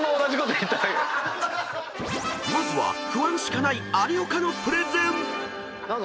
［まずは不安しかない有岡のプレゼン］